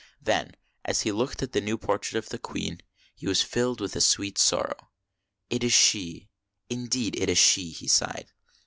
Then, as he looked at the new portrait of his Queen, he was filled with a sweet sorrow. " It is she, it is indeed she," he sighed.